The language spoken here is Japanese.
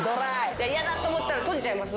じゃあ嫌だと思ったら閉じちゃいます？